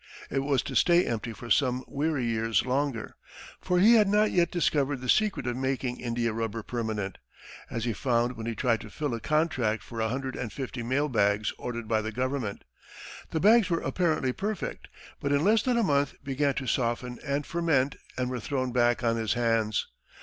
It was to stay empty for some weary years longer. For he had not yet discovered the secret of making India rubber permanent, as he found when he tried to fill a contract for a hundred and fifty mail bags ordered by the government. The bags were apparently perfect, but in less than a month began to soften and ferment and were thrown back on his hands.